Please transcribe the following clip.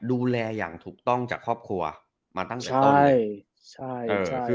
ดูแลอย่างถูกต้องจากครอบครัวมาตั้งแต่ต้นเลย